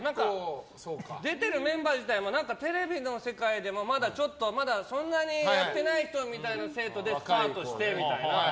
出てるメンバー自体もテレビの世界でもまだそんなにやってない人みたいな生徒でスタートしてみたいな。